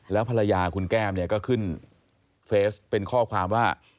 แล้วภรรยาคุณแก้มเนี่ยก็ขึ้นเฟสเป็นข้อความว่า